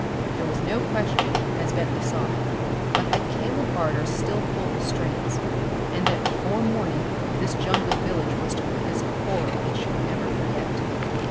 There was no question, as Bentley saw it, but that Caleb Barter still pulled the strings, and that before morning this jungle village was to witness a horror it should never forget.